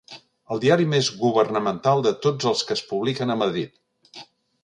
El diari més governamental de tots els que es publiquen a Madrid.